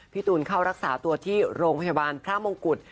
ตูนเข้ารักษาตัวที่โรงพยาบาลพระมงกุฎ